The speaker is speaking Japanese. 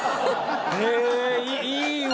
へえいいわ。